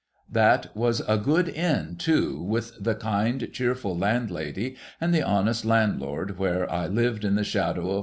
That was a good Inn, too, with the kind, cheerful landlady and the honest landlord, where I lived in the shadow of